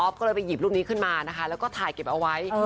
ก็เลยไปหยิบรูปนี้ขึ้นมานะคะแล้วก็ถ่ายเก็บเอาไว้